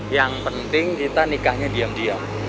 yang penting kita nikahnya diam diam